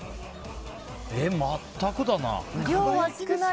全くだな。